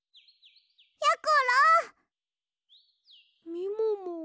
みもも。